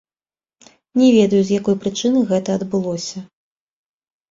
Не ведаю, з якой прычыны гэта адбылося.